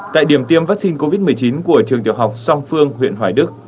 tại điểm tiêm vaccine covid một mươi chín của trường tiểu học song phương huyện hoài đức